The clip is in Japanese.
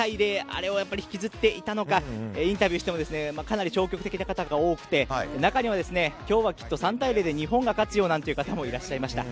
あれを引きずっていたのかインタビューしてもかなり消極的な方が多くて中には今日は３対０で日本が勝つよなんて言う方もいらっしゃいました。